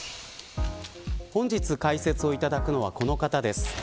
本日解説をいただくのはこの方です。